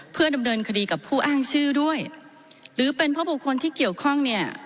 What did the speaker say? เพื่อดำเนินคดีกับผู้อ้างชื่อด้วยหรือเป็นเพราะบุคคลที่เกี่ยวข้องเนี่ย